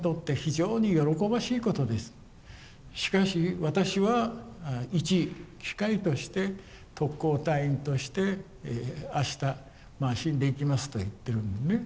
しかし私は一機械として特攻隊員として明日死んでいきます」と言っているのね。